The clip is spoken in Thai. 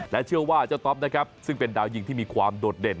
เชื่อว่าเจ้าต๊อปนะครับซึ่งเป็นดาวยิงที่มีความโดดเด่น